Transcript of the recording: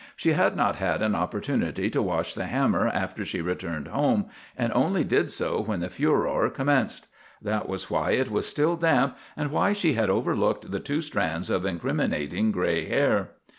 She had not had an opportunity to wash the hammer after she returned home, and only did so when the furor commenced. That was why it was still damp and why she had overlooked the two strands of incriminating gray hair.